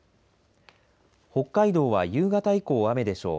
北海道は夕方以降雨でしょう。